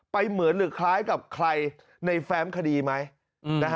เหมือนหรือคล้ายกับใครในแฟ้มคดีไหม